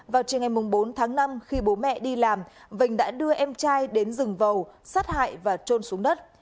vào chiều ngày bốn tháng năm khi bố mẹ đi làm vành đã đưa em trai đến rừng vầu sát hại và trôn xuống đất